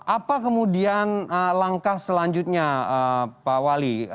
apa kemudian langkah selanjutnya pak wali